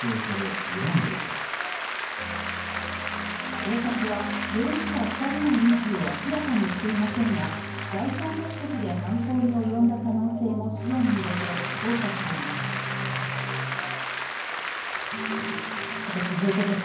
警察は容疑者２人の認否を明らかにしていませんが財産目的で犯行に及んだ可能性も視野に入れて捜査しています。